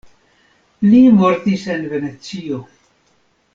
Li mortis en Venecio.